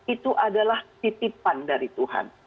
itu adalah titipan dari tuhan